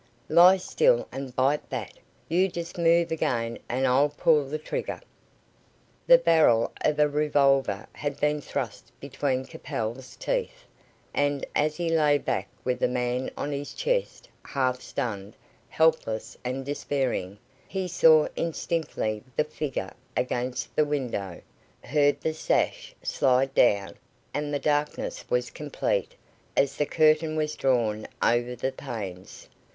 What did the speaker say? Lie still and bite that. You just move again and I'll pull the trigger." The barrel of a revolver had been thrust between Capel's teeth, and as he lay back with the man on his chest, half stunned, helpless and despairing, he saw indistinctly the figure against the window, heard the sash slide down, and the darkness was complete as the curtain was drawn over the panes.